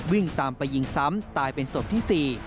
วิ่งตามไปยิงซ้ำตายเป็นศพที่๔